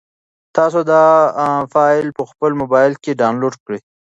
تاسو دا فایل په خپل موبایل کې ډاونلوډ کړئ.